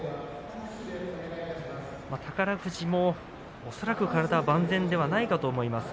宝富士も恐らく体は万全ではないかと思います。